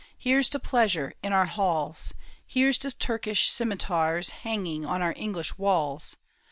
Here's to pleasure in our halls ! Here's to Turkish scimitars Hanging on our English walls